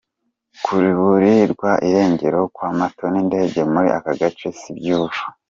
Kuburirwa irengero kw’amato n’indege muri aka gace si ibyubu.